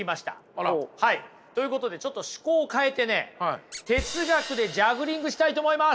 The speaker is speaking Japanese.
あら。ということでちょっと趣向を変えてね哲学でジャグリングしたいと思います。